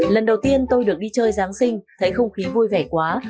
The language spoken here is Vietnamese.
lần đầu tiên tôi được đi chơi giáng sinh thấy không khí vui vẻ quá